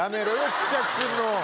小っちゃくするの。